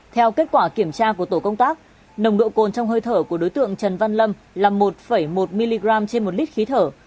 theo kết quả kiểm tra của tổ công tác nồng độ cồn trong hơi thở của đối tượng trần văn lâm là một một mg trên một lít khí thở